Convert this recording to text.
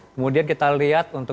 kemudian kita lihat untuk